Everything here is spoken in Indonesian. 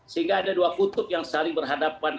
sehingga ada dua kutub yang saling berhadapan